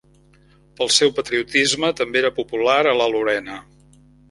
Pel seu patriotisme, també era popular a la Lorena.